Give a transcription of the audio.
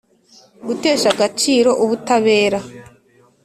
Gutesha agaciro ubutabera